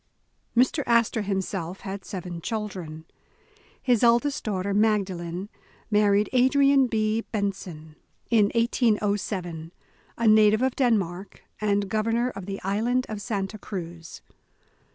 Mr. Astor himself had seven children. His eldest daughter, Magdalen, married Adrian B. Bentzen, in 248 The Astor Family 1807, a native of Denmark, and Governor of the Island of Santa Cniz.